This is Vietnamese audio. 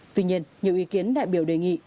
tuy nhiên nhiều ý kiến đại biểu đề nghị